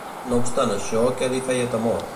No obstant això, què li feia temor?